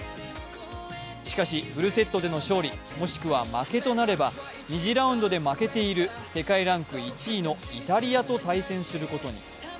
しかし、フルセットでの勝利、もしくは負けとなれは２次ラウンドで負けている世界ランク１位のイタリアと対戦することに。